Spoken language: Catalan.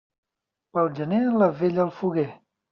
Pel gener, la vella al foguer.